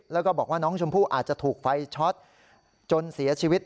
แล้วก็บอกว่าน้องชมพู่อาจจะถูกไฟช็อตจนเสียชีวิต